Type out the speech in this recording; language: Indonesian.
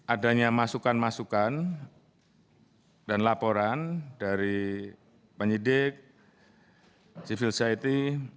adanya masukan masukan dan laporan dari penyidik civil society